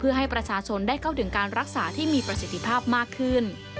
เพื่อให้ประชาชนได้เข้าถึงการรักษาที่มีประสิทธิภาพมากขึ้น